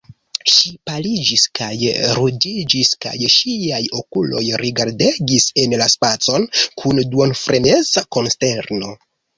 Ŝi paliĝis kaj ruĝiĝis, kaj ŝiaj okuloj rigardegis en la spacon kun duonfreneza konsterno.